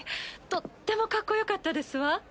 とってもかっこよかったですわ。